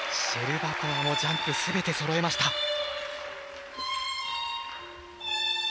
シェルバコワのジャンプすべてそろいました。